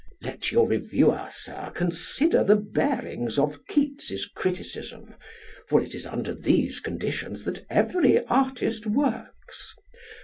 Let your reviewer, Sir, consider the bearings of Keats' criticism, for it is under these conditions that every artist works.